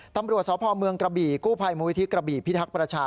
ตำรวจสพเมืองกระบี่กู้ภัยมูลิธิกระบี่พิทักษ์ประชา